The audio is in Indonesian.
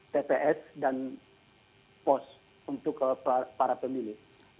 tps dan pos untuk para pemilih